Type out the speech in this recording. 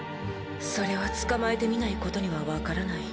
それは捕まえてみないことには分からない。